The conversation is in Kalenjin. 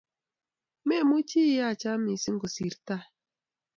Memuchi iyocha mising kosir tai